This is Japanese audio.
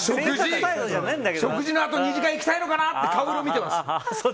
食事のあと２次会行きたいのかなって顔色見てます。